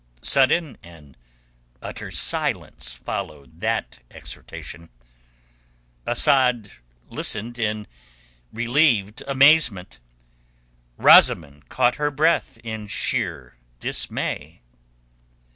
Sudden and utter silence followed that exhortation. Asad listened in relieved amazement; Rosamund caught her breath in sheer dismay.